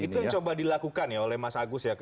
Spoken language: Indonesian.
itu yang coba dilakukan ya oleh mas agus ya